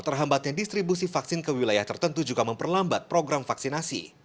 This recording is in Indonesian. terhambatnya distribusi vaksin ke wilayah tertentu juga memperlambat program vaksinasi